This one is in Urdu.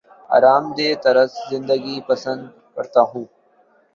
آرام دہ طرز زندگی پسند کرتا ہوں